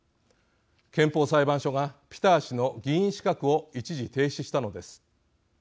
憲法裁判所が、ピター氏の議員資格を一時停止したのです。